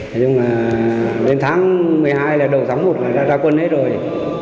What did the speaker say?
nhưng mà đến tháng một mươi hai là đầu tháng một là ra quân hết rồi